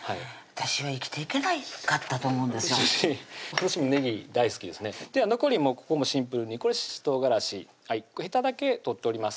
私もねぎ大好きですねでは残りここもシンプルにこれししとうがらしヘタだけ取っております